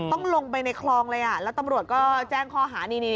ต้องลงไปในคลองเลยแล้วตำรวจก็แจ้งคอหา